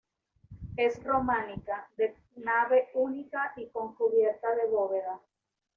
Es románica, de nave única y con cubierta de bóveda.